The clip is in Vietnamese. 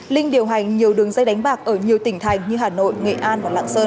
linh điều hành nhiều đường dây đánh bạc ở nhiều tỉnh thành như hà nội nghệ an và lạng sơn